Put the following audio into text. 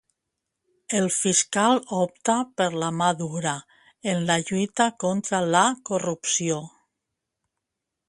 El fiscal opta per la mà dura en la lluita contra la corrupció